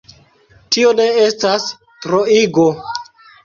Tio ne estas troigo.